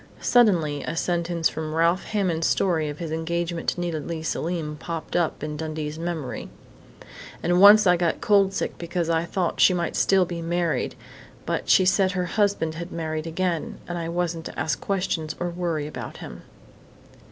Suddenly a sentence from Ralph Hammond's story of his engagement to Nita Leigh Selim popped up in Dundee's memory: "And once I got cold sick because I thought she might still be married, but she said her husband had married again, and I wasn't to ask questions or worry about him."